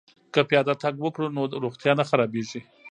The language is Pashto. که پیاده تګ وکړو نو روغتیا نه خرابیږي.